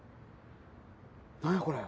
何やこれ。